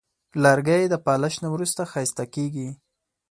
لرګی د پالش نه وروسته ښایسته کېږي.